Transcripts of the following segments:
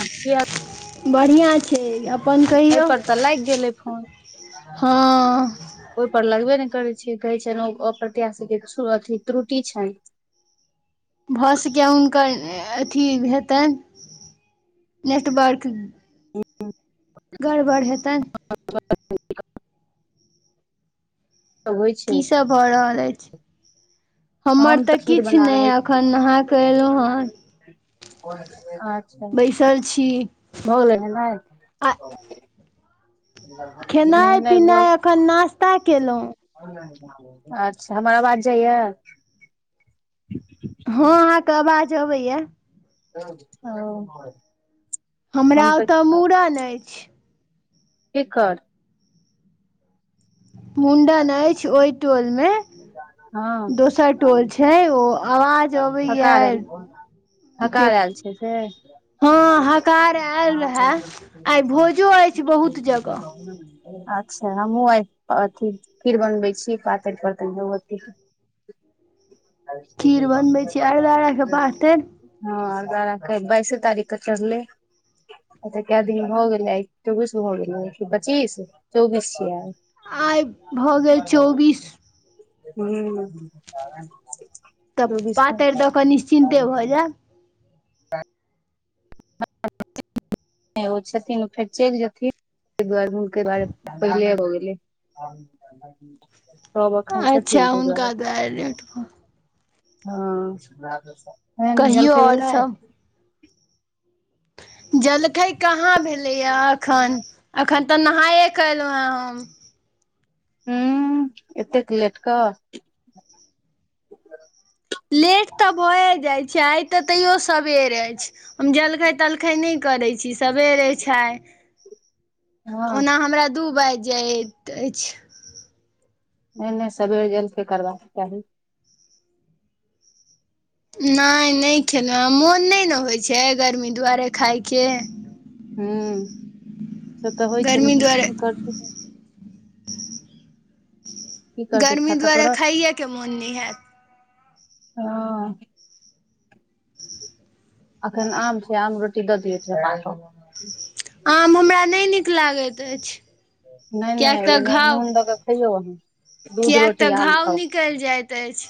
किया बढ़िआ छै। अपन कहियौ एहिपर तऽ लागि गेलै फोन। हँ ओहिपर लगबे ने करैत छै कहै छनि ओ अप्रत्याशी के अथी त्रुटि छनि। भऽसके हुनकर अथी हेतनि नेटवर्क। एक गड़बड़ हेतनि [unintelligible] तऽ होइ छै की सभ भऽ रहल अछि हमर हम तऽ खीर किछु बना नहि एखन नहा कऽ एयलहुँ हँ ह बैसल छी भऽ गेल आ नेहेनाइ नेहेनाय भ अखन नास्ता केलौं अच्छा हमर आवाज जाइया हँं अहाँके आवाज अबैया ओ हमरा हम तऽ ओतऽ मूड़न अछि केकर मुण्डन अछि ओई टोलमे हँ दोसर टोल छै ओ आवाज अबैया थका एऽल छै से हँ हकार आयल रहा आइ भोजो अछि बहुत जगह अच्छा हमहू आइ खीर बनबै छी पातरि परतैन भगवती के [unintelligible] खीर बनबै छी अरदारा के पातरि हँ अरदरा काईल बाइसे तारीख क चड़लै अच्छा केऽ दिन भ गेलै आइ चौबीस भ गेलै की पच्चीस चौबीस छियै आइ आइ भऽ गेल चौबीस हूं तऽ पातरि दऽ कऽ निश्चिन्ते भऽ जायब ओ छथिन ओ फेर चलि जेथिन ताहि दुआरे ह बारे पहिले भ गेलै आ क [unintelligible] सब अखन अच्छा छथिन तै दुआरे हुनका लेट भऽ हँ तेहन कहियौ जलखै आओर भेलै सब जलखै काहाँ भेलैया एखन अखन तऽ नहाये क एलहुं हे हम ऊं एतेक लेट क लेट तऽ भए जाइ छै आइ तऽ तैयो सबेर अछि हम जलखै तलखै नहि करै छी सवेरे छै हँ ओना हमरा दू बाजि जायइत अछि नहि नहि सबेर जलखै करबाक चाही नहि नहि खेलहुँँ मोन नहि ने होइत छै गर्मी दुआरे खायके हू से तऽ होइ छै गर्मी लेकिन दुआरे की करतै की करतै गरमी खाय तऽ दुआरे पड़त खाइएके मोन नहि हेऽत हँ अखन आम छै आम रोटी दऽ दियौ [unintelligible] आम हमरा नहि नीक लागैत अछि नहि किएक नहि तऽ ओमे घाव नून दऽ क खैयौ आंहा दूध रोटी आम खाउ चैल जाइत अछि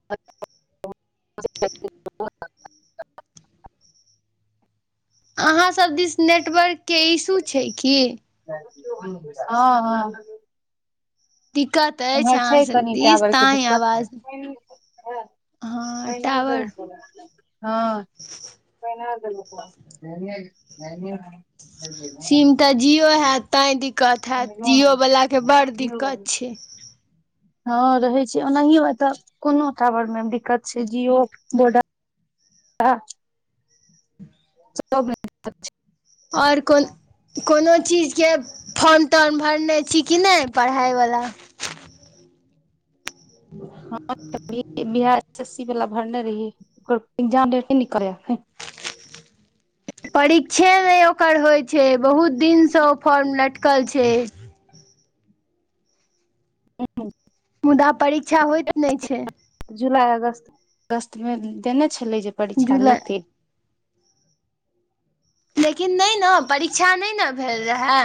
[unintelligible] अहाँसभ दिस नेटवर्क के इशू छै की ह ह दिकत अए एम्हर छै कनि टावरके दिक्कत हं हँ टावर सिम [unintelligible] तऽ जिओ हेऽत तैं दिक्कत हेऽत जिओवलाके बड़ दिक्कत छै हँ रहै छै ओनाहियो ए तऽ कोनो टावर मे दिक्कत छै जिओ वोडा सब मे दिक्कत छै। आओर कोल कोनो चीज के फोन तोन भरने छी कि नहि पढ़ाइवला ह हम त बिहार एस एस सी वला भरने रहियै ओ एग्जाम डेट नै निकललै या एखन परीक्षे नहि ओकर होइ छै बहुत दिनसँ ओ फॉर्म लटकल छै हूं मुदा परीक्षा होइत नहि छै जुलाइ अगस्त अगस्तमे देने छलै जे परीक्षा लेतै जुलाई लेकिन नहि न परीक्षा नहि न भेल रहै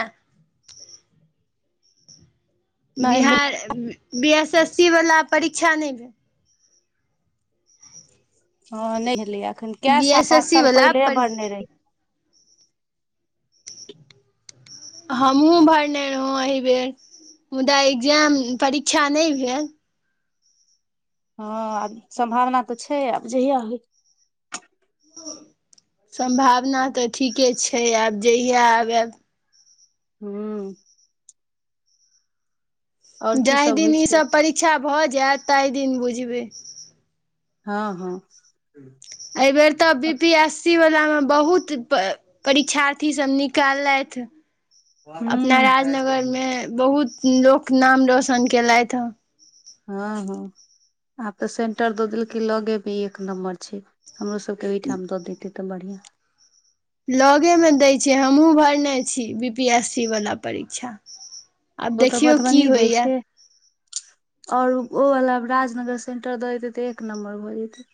नहि नहि Bihar B S S C वला परीक्षा नहि भेल हँ नहि भेलैया अखन केऽ बी साल एस पाँच एस सी साल वला पहिले परी भरने रहि हमहुँ भरने रहौँ एहि बेर मुदा एग्जाम परीक्षा नहि भेल हँ आ सम्भावना तऽ छै आब जहिया होइ सम्भावना तऽ ठीके छै आब जहिया आब एब हू की जाहि सब होइ दिन छै ईसभ परीक्षा भऽ जायत ताहि दिन बुझबै हँ हँ एहिबेर तऽ बी पी एस सी वला मे बहुत परीक्षार्थी सब निकाललथि हे अपना हूँ राजनगर मे बहुत लोक नाम रोशन केलथि हे हँ हँ आब तऽ सेंटर दऽ देलकै लगे मे एक नम्बर छै हमरो सभके ओहिठाम दऽ दैतै तऽ बढ़िआँ लगेमे दै छै हमहुँ भरने छी बी पी एस सी वला परीक्षा आब ओ तऽ देखियौ की मधुबनी दै होइया छै और ओ वला राजनगर सेंटर दऽ दैतै तऽ एक नम्बर भऽ जैतै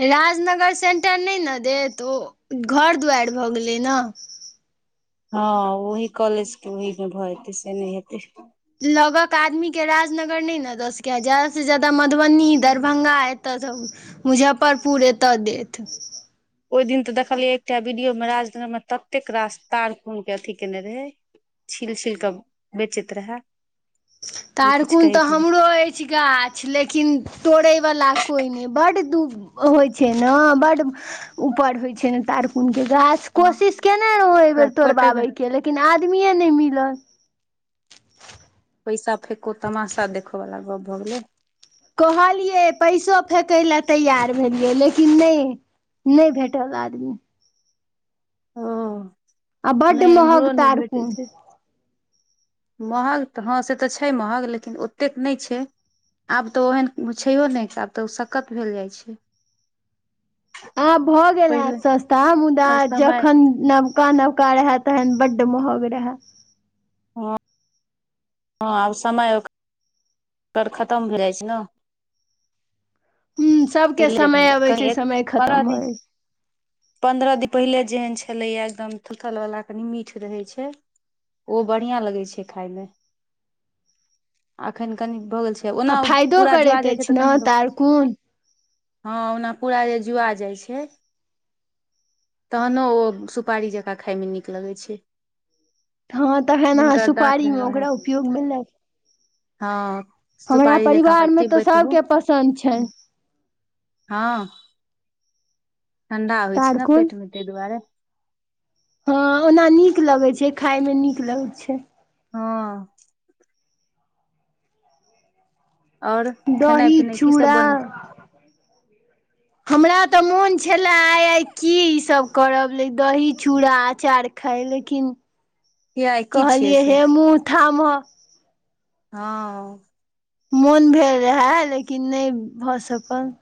राजनगर सेन्टर नहि न देत ओ घर दुआरि भऽ गेलै ने हँ ओहि कॉलेज के ओहि मे भऽ जेतै से नहि हेतै लगक आदमी के राजनगर नहि ने दऽ सकैया जादा से जादा मधुबनी हूँ दरभंगा [unintelligible] मुजफ्फरपुर एतऽ देत ओहि दिन तऽ देखलियै एकटा वीडियो में राजनगर मे ततेक रास तार कोन के अथी केने रहै छिल छिल क बेचैत रहे तार कुन तऽ हमरो अय गाछ लेकिन तोड़ै वला कोइ नै बड्ड दुःख होइ छै न बड्ड ऊपर होइ छै ने तारकुन के गाछ हँ कोशिश कयने रहौ एहि ओकरा बेर कटेबै तोड़बाबैके लेकिन आदमीेये नै मिलल पैसा फेको तमाशा देखो वला गप भऽ गेलै कहलियै पैसो फेकय लए तैयार भेलियै लेकिन नहि नहि भेटल आदमी हँ आ बड महग तार कुन महंग तऽ हँ से तऽ छै महंग लेकिन ओतेक नहि छै आब तऽ ओहन छैहो नहि आब तऽ ओ सक्कत भेल जाइ छै आब भऽ गेल पहिले हेत सस्ता मुदा आब समय जखन नम का नवका रहय तहन बड्ड महंग रहै हँ हँ आब समयक तर खतम भए जाइ छै न ह प सभके समय [unintelligible] अबैत छै कहीं एक समय पंद्रह खतम भऽ दिन जाइ पन्द्रह दिन पहिले जेहन छलैए एकदम [unintelligible] सुखलवला कनी मीठ रहै छै ओ बढ़ियाँ लगै छै खायमे अखैन कनि भऽ गेल छै आ ओना ओ फायदो पूरा जोआ करैत जेतै अछि तऽ ने कनी लोक तारकुन हँ ओना पूरा जे जुआ जाइ छै तहनो ओ सुपारी जकाँ खायमे नीक लगै छै हँ तहन अहाँ जिनकर दाँत सुपारी मे रहै ओहे ओकरा उपयोग मे लै हँ हमरा सुपारी जकाँ ओकरा परिवारमे तऽ चिबैत रहू सभके पसन्द छनि हँ ठण्डा होइ छै ने तारकुन पेट मे तइ दुआरे हँ ओना नीक लगै छै खायमे नीक लगै छै हँ और खेनाइ दही पिनाइ की सब चूड़ा बनै छै हमरा तऽ मोन छलए आइ आइ की ईसभ करब लै दही चूड़ा अंचार खाय लेकिन किया आइ की छियै कहलियै से हे मुँह थामह हँ मोन भेल रहै लेकिन नहि भऽ सकल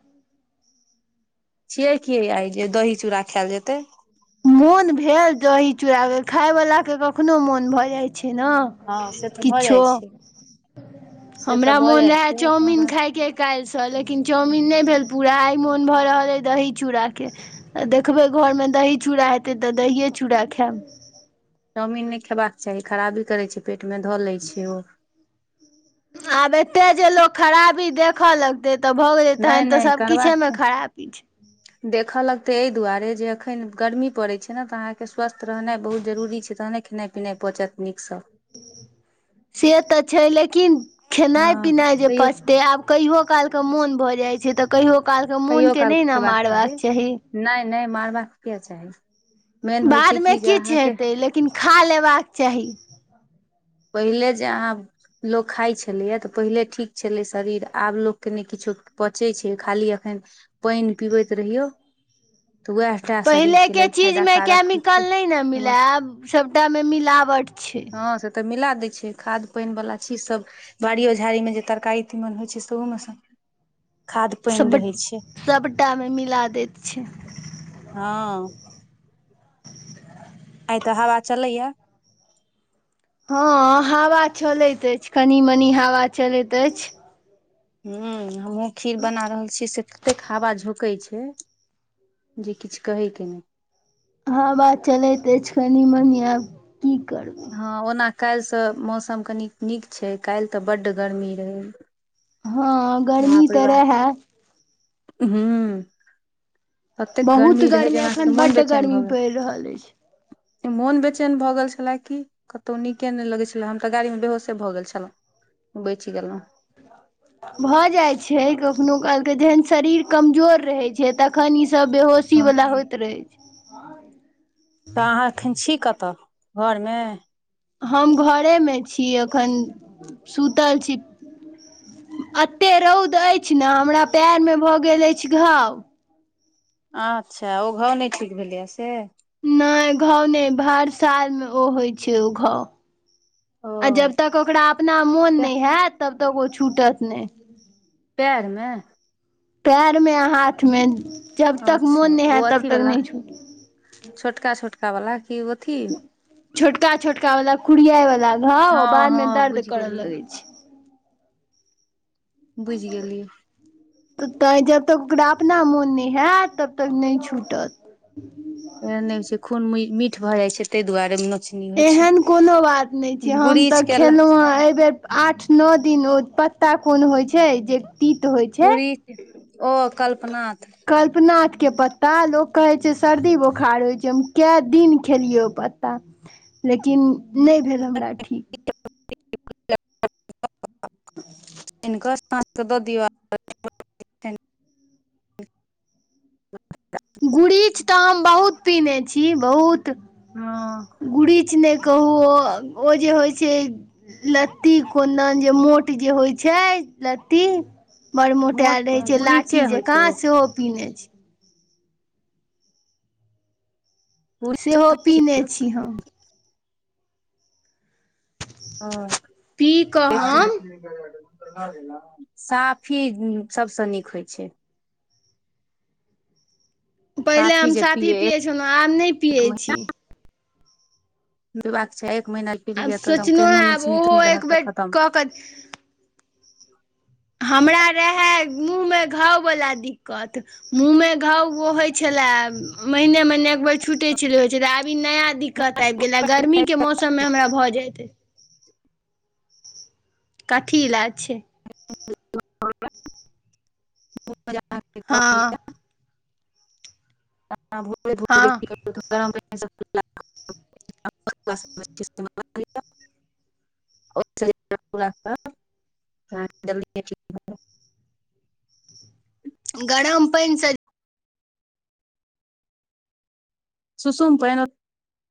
छियै की आइ जे दही चूड़ा खैल जेतै मोन भेल दही चूड़ाके खाय वला के कखनो मोन भऽ जाइ छै न हँ से तऽ भऽ किछो जाइ छै से तऽ हमरा भऽ मोन जाइ रहै चाउमिन छै खायके काल्हिसँ लेकिन चाउमिन नहि भेल पूरा आइ मोन भऽ रहल अइ दही चूड़ाके तऽ देखबै घरमे दही चूड़ा हेतै तऽ दहिए चूड़ा खैब चाउमीन नहि खेबाक चाही खराबी करै छै पेटमे धऽ लै छै ओ आब एते जे लोक खराबी देखऽ लगतै तऽ भऽ गेलै नहि तहन तऽ नहि सब किछे करबाक छै मे खराबी छै देखऽ लगतै अइ दुआरे जे अखैन गर्मी पड़ै छै ने तऽ अहाँ के स्वस्थ रहनाइ बहुत जरूरी छै तहने खेनाइ नहि पहुचत नीकसँ से तऽ छै लेकिन खेनाइ हँ पिनाइ जे तैयो पचतै आब कहियो कालकऽ मोन भऽ जाइ छै तऽ कहियो कालके कहियो मोनके काल नहि ने खेबाक मारबाक चाही नहि नहि मारबाक किए चाही मेन होइ छै बादमे कि जे किछु अहाँके हेतै लेकिन खा लेबाक चाही पहिले जे अहाँ लोक खाइ छलैये तऽ पहिले ठीक छेलै शरीर आब लोकके नहि किछो पचै छै खाली एखन पानि पीबैत रहियौ तऽ उएहटा शरीरके पहिलेके लेल चीज मे फायदाकारक होइ केमिकल नहि ने छै मिले आब सभटा मे मिलावट छै हँ से तऽ मिला दै छै खाद पानिवला चीज सभ बाड़ियो झाड़ी मे जे तरकारी तीमन होइ छै सेहो मे सब खाद पानि सब रहै छै सभटामे मिला दैत छै। हँ [inaudible] आइ त हवा चलैया हँ हवा चलैत अछि कनि मनी हवा चलैत अछि ह हमहुँ खीर बना रहल छी से ततेक हवा झो कै छै जे किछ कहे के नहि ह बात चलैत अछि कनि मनि आब की करबै हँ ओना काल्हिसँ मौसम कनी नीक छै काल्हि तऽ बड्ड गर्मी रहै। हँ गर्मी बापरे तऽ बा। रहै हम्म ततेक बहुत गर्मी रहै जे हमरा एखन सभके मोन बड्ड बेचैन गर्मी भऽ गेल। पड़ि रहल अछि मोन बेचैन भऽ गेल छलै कि कतहु नीके नहि लगै छलै हम तऽ गाड़ीमे बेहोशे भऽ गेल छलहुँ बचि गेलहुँ। भऽ जाइत छै कखनो कालके जहन शरीर कमजोर रहैत छै तखन ईसभ बेहोश सी हँ वला होइत रहै तऽ अहाँ एखन छी कतऽ घरमे हम घरेमे छी एखन सुतल छी। एते रौद अछि ने हमरा पैर मे भऽ गेल अछि घाव। अच्छा ओ घाव नहि ठीक भेलैए से? नहि घाव नहि भर सालमे ओ होइ छै ओ घाव। ओ आ जब तक ओकरा अपना मोन तै नय हाएत तबतक ओ छूटत नय। पेएर मे पैएरमे हाथमे जबतक अच्छा मोन नै ओ हयत अथी तबतक वाला नहि छोट छोटका छोटका वला कि ओ अथी छोटका छोटका वाला कुड़ियाय वाला घाव हँ बाद मे हँ दर्द बुझि करऽ गेलियै लगै छै। बुझि आ गेलियै [unintelligible] तऽ तैँ जब तक ओकरा अपना मोन नै हाएत तब तक नय छूटत। एहन नै होय छै खून मीठ भऽ जाइ छै तै दुआरे न एहन कोनो बात नै छै हम तऽ गुरीच के ल- खेलौ हें एबेर आठ नओ दिन ओ पत्ता कोन होई छै जे तीत होय पुरी ओ कल्पनाथ कल्पनाथ के पत्ता लोक कहैत छै सर्दी बोखार होइ छै हम कए दिन खेलियै ओ पत्ता लेकिन नै भेल हमरा ठीक हिनकर सांस के दऽ दि [unintelligible] गुरीच तऽ हम बहुत पिने छी बहुत हाँ गुरीच नै कहू ओ ओ जे होइ छै लत्ती कोडन जे मोट जे होइ छै लत्ती बर मोट मोटायल रहै छै लाठी गुरीचे होइ छै जकाँ ओ सेहो पीने छी गुरीच सेहो होइ छै? पीने छी हम। हाँ पी एते कऽ हम [unintelligible] साफी सभसँ नीक होइ छै। पहिले हम जे साफी पिलियै एक पियै छलौं आब नय पियै महीना छी। [unintelligible] एक महिना पी आब लिय तऽ एक केहनो नोचनी तो रहतऽ खतम। अत [unintelligible] हमरा रहय मुँहमे घाव वला दिक्कत मूँहमे घाव होइत छलए महने महिने एक बेर छूटैत छल पछे होइत छै त आब ई नया दिक्कत आबि गेलै गर्मी के मौसम मे हमरा भऽ जाइत। कथी इलाज छै [inaudible] हँ ह भोरे भोरे हँ गरम पायन से [inaudible] आ आ [inaudible] [inaudible] घड़म्प [inaudible] सुसूम पायन